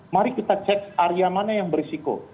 mari kita cek area mana yang berisiko